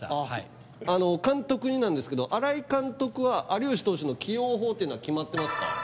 はい監督になんですけど新井監督は有吉投手の起用法っていうのは決まってますか？